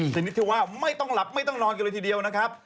ชนิดที่ว่าไม่ต้องหลับไม่ต้องนอนกันเลยทีเดียวนะครับ